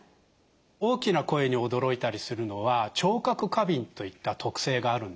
大きな声に驚いたりするのは聴覚過敏といった特性があるんですね。